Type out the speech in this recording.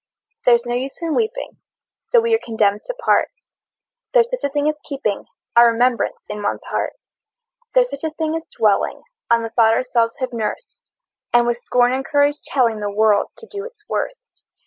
There's no use in weeping, Though we are condemned to part: There's such a thing as keeping A remembrance in one's heart: There's such a thing as dwelling On the thought ourselves have nursed, And with scorn and courage telling The world to do its worst.